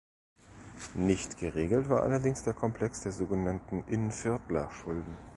Nicht geregelt war allerdings der Komplex der sogenannten Innviertler Schulden.